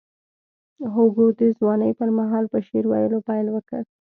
هوګو د ځوانۍ پر مهال په شعر ویلو پیل وکړ.